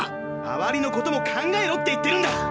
周りのことも考えろって言ってるんだ。